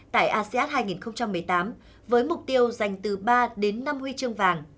tại asean hai nghìn một mươi tám với mục tiêu dành từ ba đến năm huy chương vàng